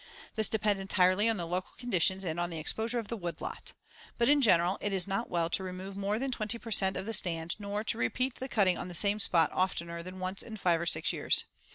This depends entirely on the local conditions and on the exposure of the woodlot. But in general it is not well to remove more than twenty per cent of the stand nor to repeat the cutting on the same spot oftener than once in five or six years.